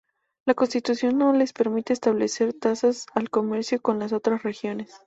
La constitución no les permite establecer tasas al comercio con las otras regiones.